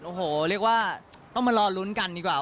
โอ้โหเรียกว่าต้องมารอลุ้นกันดีกว่า